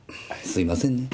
すいませんね。